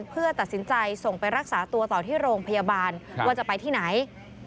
เพื่อตัดสินใจส่งไปรักษาตัวต่อที่โรงพยาบาลว่าจะไปที่ไหน